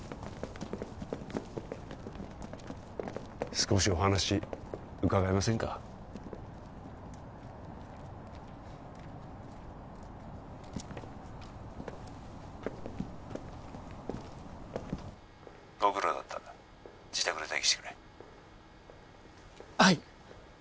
少しお話伺えませんかご苦労だった自宅で待機してくれはい